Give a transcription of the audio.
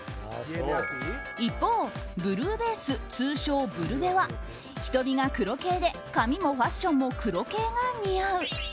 一方、ブルーベース通称ブルベは瞳が黒系で髪もファッションも黒系が似合う。